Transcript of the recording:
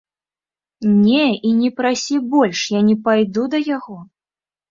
Не, і не прасі больш, я не пайду да яго.